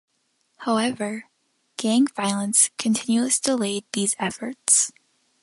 However, gang violence continuously delayed these efforts.